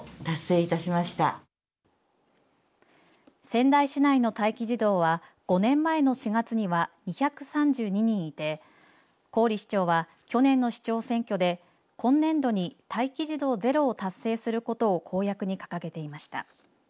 仙台市内の待機児童は５年前の４月には２３２人にいて郡市長は、去年の市長選挙で今年度に待機児童ゼロを達成することを公約に掲げていました。